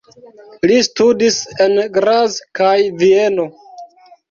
Li studis en Graz kaj Vieno.